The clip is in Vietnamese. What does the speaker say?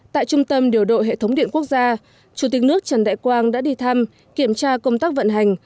tại trung tâm điều độ hệ thống điện quốc gia chủ tịch nước trần đại quang đã đi thăm kiểm tra công tác vận hành